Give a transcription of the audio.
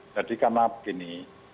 jadi karena begini